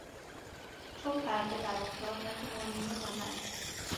چون پرده برافتد نه تو مانی و نه من